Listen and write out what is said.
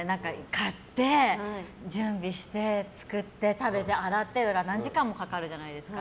買って準備して作って食べて洗ってって何時間もかかるじゃないですか。